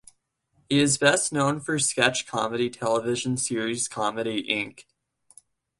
He is best known for sketch comedy television series "Comedy Inc".